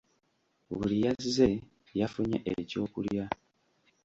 Buli yazze yafunye ekyokulya.